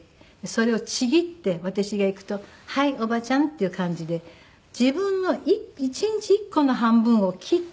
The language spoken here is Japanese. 「それをちぎって私が行くとはいおばちゃんっていう感じで自分の１日１個の半分を切ってくれる」。